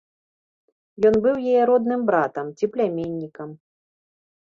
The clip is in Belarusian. Ён быў яе родным братам ці пляменнікам.